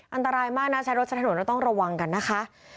อันตรายมากนะใช้รถใช้ถนนแล้วต้องระวังกันนะคะ